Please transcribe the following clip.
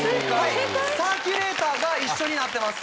サーキュレーターが一緒になってます。